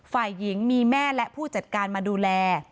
ฝ่ายหญิงมีแม่และผู้จัดการมาดูแล